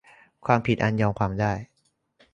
ความผิดอันยอมความได้